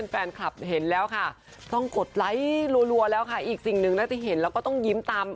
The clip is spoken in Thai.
เหล้าก่อนแต่ลงภาพนั้นนั่งตรงแดดเธอจะมีเงา